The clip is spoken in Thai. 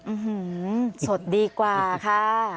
อื้อหือสดดีกว่าค่ะ